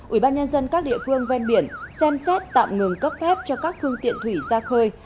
ubnd các địa phương ven biển xem xét tạm ngừng cấp phép cho các phương tiện thủy ra khơi